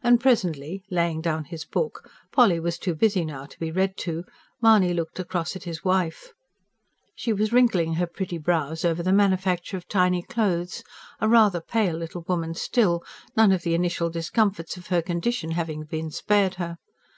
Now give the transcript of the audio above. And presently, laying down his book Polly was too busy now to be read to Mahony looked across at his wife. She was wrinkling her pretty brows over the manufacture of tiny clothes, a rather pale little woman still, none of the initial discomforts of her condition having been spared her.